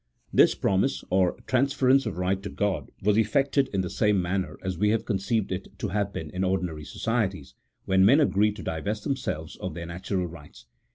This promise, or transference of right to God, was effected in the same manner as we have conceived it to have been in ordinary societies, when men agree to divest themselves of their natural rights.